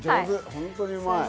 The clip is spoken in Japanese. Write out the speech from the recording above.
本当にうまい。